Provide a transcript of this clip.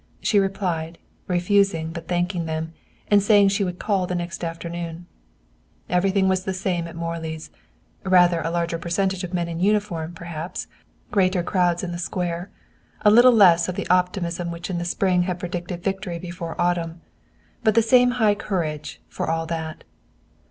She replied, refusing, but thanking them, and saying she would call the next afternoon. Everything was the same at Morley's: Rather a larger percentage of men in uniform, perhaps; greater crowds in the square; a little less of the optimism which in the spring had predicted victory before autumn. But the same high courage, for all that.